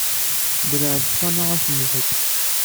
Bellɛent tḥuna ass n lḥedd.